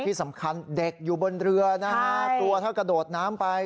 ที่สำคัญเด็กอยู่บนเรือนะฮะกลัวถ้ากระโดดน้ำไป